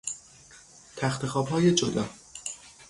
تختخوابهای جدا